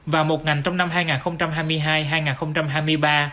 và một ngành trong năm hai nghìn hai mươi hai hai nghìn hai mươi ba